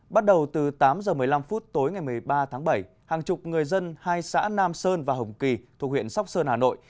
bắt đầu từ tám h một mươi năm phút tối ngày một mươi ba tháng bảy hàng chục người dân hai xã nam sơn và hồng kỳ thuộc huyện sóc sơn hà nội